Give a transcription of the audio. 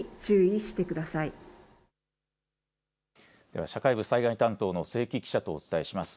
では、社会部災害担当の清木記者とお伝えします。